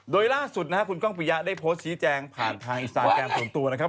โดยล่าสุดนะฮะคุณก้องปียะได้โพสต์ชี้แจงผ่านทางอินสตาแกรมส่วนตัวนะครับ